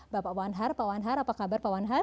bapak wanhar pak wanhar apa kabar pak wanhar